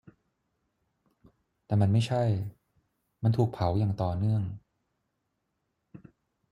แต่มันไม่ใช่ : มันถูกเผาอย่างต่อเนื่อง